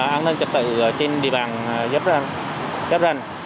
an ninh trật tự trên địa bàn giáp ranh